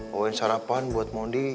bawain sarapan buat mondi